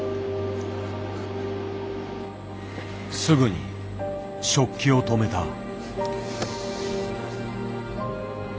すぐに織機を止めた。